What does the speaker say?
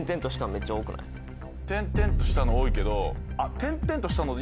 点々としたの多いけど。